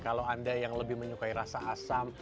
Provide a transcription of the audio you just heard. kalau anda yang lebih menyukai rasa asam